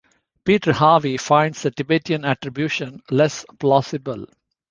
Peter Harvey finds the Tibetan attribution less plausible.